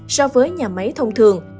so với nhà máy thông thường